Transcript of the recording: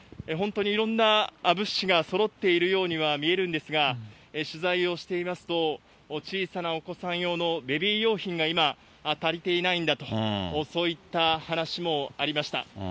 本当にいろんな物資がそろっているようには見えるんですが、取材をしていますと、小さなお子さん用のベビー用品が今、足りていないんだと、そういった話もありました。